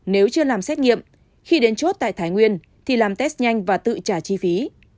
nếu chưa làm xét nghiệm khi đến chốt tại thái nguyên thì làm test nhanh và tự trả chi phí